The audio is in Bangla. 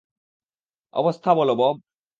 অবস্থা বলো, বব!